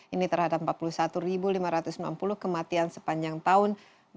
ini terhadap empat puluh satu lima ratus enam puluh kematian sepanjang tahun dua ribu dua